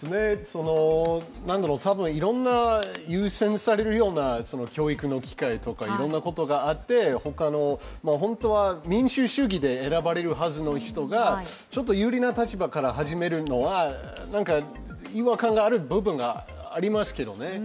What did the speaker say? いろんな優先されるような教育の機会とかいろんなことがあって、本当は民主主義で選ばれるはずの人がちょっと有利な立場から始めるのは違和感がある部分がありますけどね。